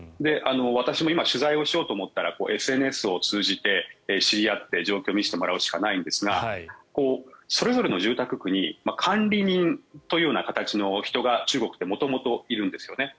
私も今取材をしようと思ったらＳＮＳを通じて知り合って状況を見せてもらうしかないんですがそれぞれの住宅区に管理人というような形の人が中国って元々いるんですよね。